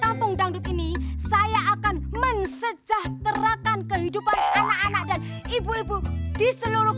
kampung dangdut ini saya akan mensejahterakan kehidupan anak anak dan ibu ibu di seluruh